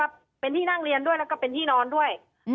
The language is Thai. ตอนที่จะไปอยู่โรงเรียนนี้แปลว่าเรียนจบมไหนคะ